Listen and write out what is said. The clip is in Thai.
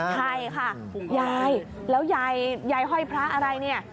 ใช่ค่ะยายแล้วยายห้อยพระอะไรเนี่ย